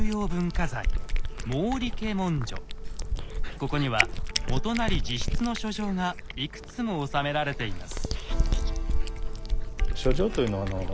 ここには元就自筆の書状がいくつも収められています。